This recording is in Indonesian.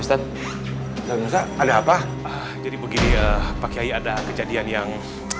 ada apa jadi begini ya pak yai ada kejadian yang